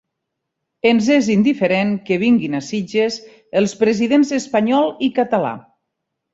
Ens és indiferent que vinguin a Sitges els presidents espanyol i català.